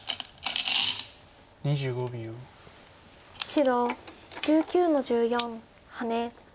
白１９の十四ハネ。